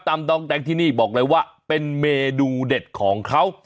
ดองแดงที่นี่บอกเลยว่าเป็นเมนูเด็ดของเขา